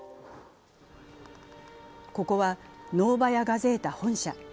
ここは「ノーバヤ・ガゼータ」本社。